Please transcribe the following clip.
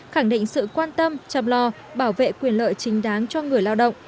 khẳng định sự quan tâm chăm lo bảo vệ quyền lợi chính đáng cho người lao động